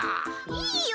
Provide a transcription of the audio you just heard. いいよ！